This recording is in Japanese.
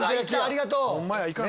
ありがとう！